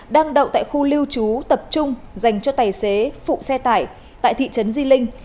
đang đậu tại khu lưu trú tập trung dành cho tài xế phụ xe tải tại thị trấn di linh